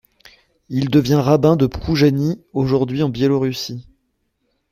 Il devient rabbin de Proujany, aujourd'hui en Biélorussie.